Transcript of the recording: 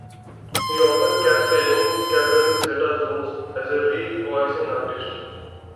He often cast a young Catherine Zeta Jones as a re-voicing artist.